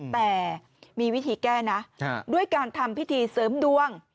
แต่มีวิธีแก้นะด้วยการทำพิธีเสริมดวง